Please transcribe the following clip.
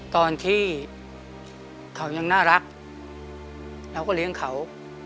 ตอนที่เขายังน่ารักเราก็เลี้ยงเขา